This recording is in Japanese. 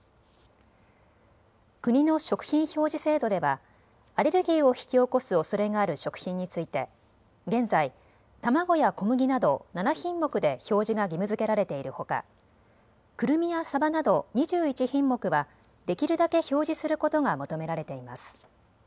国の食品表示制度ではアレルギーを引き起こすおそれがある食品について現在、卵や小麦など７品目で表示が義務づけられているほかくるみやサバなど２１品目はできるだけ表示することが求められています。